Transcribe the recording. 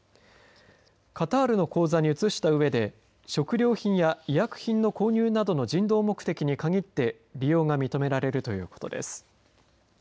カタールの口座に移したうえで食料品や医薬品の購入などの人道目的に限って利用が認められるということです。